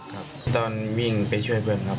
ครับตอนวิ่งไปช่วยเพื่อนครับ